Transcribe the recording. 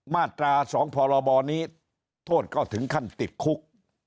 มาตรา๒พรบนี้โทษก็ถึงขั้นติดคุก